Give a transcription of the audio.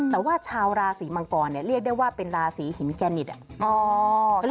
แต่ว่าชาวราศีมังกรเรียกได้ว่าเป็นราศีหินแกนิต